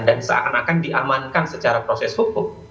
dan akan diamankan secara proses hukum